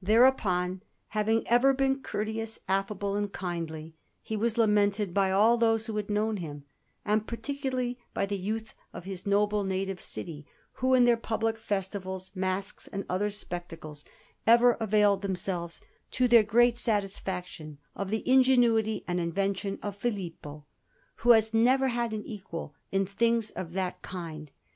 Thereupon, having ever been courteous, affable, and kindly, he was lamented by all those who had known him, and particularly by the youth of his noble native city, who, in their public festivals, masques, and other spectacles, ever availed themselves, to their great satisfaction, of the ingenuity and invention of Filippo, who has never had an equal in things of that kind.